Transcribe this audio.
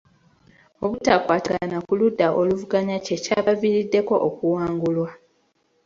Obutakwatagana ku ludda oluvuganya kye kyabaviiriddeko okuwangulwa.